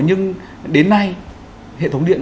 nhưng đến nay hệ thống điện